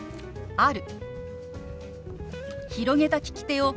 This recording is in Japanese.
「ある」。